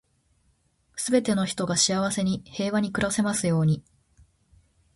全ての人が幸せに、平和に暮らせますように。